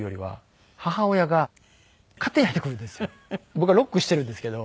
僕はロックしているんですけど。